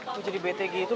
lo jadi bete gitu